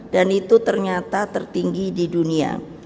dan itu ternyata tertinggi di dunia